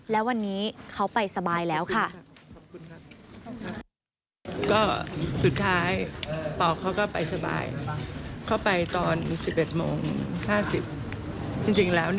แล้ววันนี้เขาไปสบายแล้วค่ะ